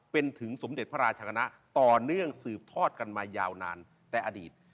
เป็นถึงสมเด็จพระราชคณะต่อเนื่องสืบทอดกันมายาวนานแต่อดีต